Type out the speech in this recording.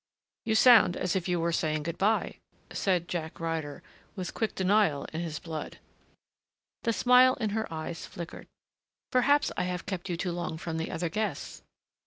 "You sound as if you were saying good bye," said Jack Ryder with quick denial in his blood. The smile in her eyes flickered. "Perhaps I have kept you too long from the other guests."